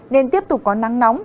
nên tiếp tục có nắng nóng